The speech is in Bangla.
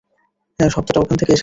হ্যাঁ, শব্দটা ওখান থেকে এসেছে।